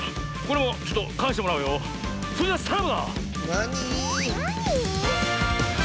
なに？